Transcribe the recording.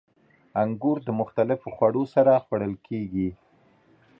• انګور د مختلفو خوړو سره خوړل کېږي.